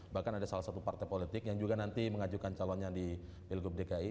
bahkan ada salah satu partai politik yang juga nanti mengajukan calonnya di pilgub dki